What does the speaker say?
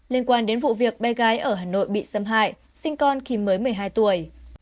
liên quan đến vụ việc bé gái ở hà nội bị xâm hại sinh con khi mới một mươi hai tuổi